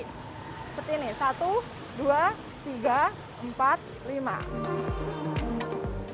seperti ini satu dua tiga empat lima